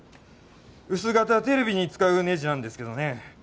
薄型テレビに使うねじなんですけどね。